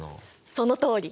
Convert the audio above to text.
そのとおり！